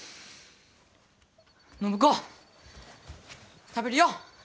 暢子食べるよ！